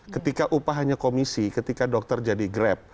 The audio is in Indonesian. ketika upah hanya komisi ketika dokter jadi grab